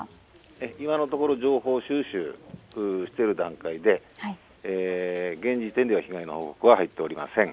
今のところ情報収集中の段階で現時点では被害の報告は入っておりません。